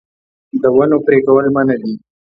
د ونو پرې کول منع دي